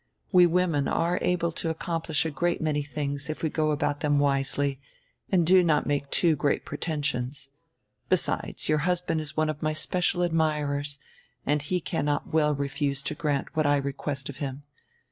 We women are able to accomplish a great many tilings if we go about them wisely and do not make too great pretensions. Besides, your husband is one of my special admirers and he cannot well refuse to grant what I request of him.